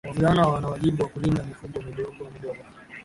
Wavulana wana wajibu wa kulinda mifugo midogo midogo